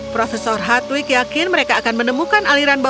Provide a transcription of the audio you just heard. profesor hathwick yakin mereka akan menemukan aliran berat